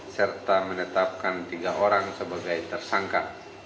serta menetapkan tiga orang sebagai tersangka